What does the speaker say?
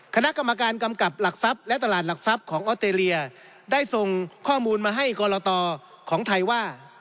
คณะกรรมการกำกับหลักทรัพย์และตลาดหลักทรัพย์ของออสเตรเลียได้ส่งข้อมูลมาให้กรตของไทยว่า